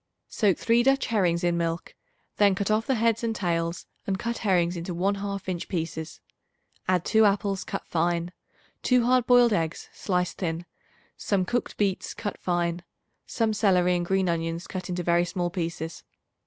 Soak 3 Dutch herrings in milk; then cut off the heads and tails and cut herrings into one half inch pieces. Add 2 apples cut fine, 2 hard boiled eggs sliced thin, some cooked beets cut fine, some celery and green onions cut into very small pieces.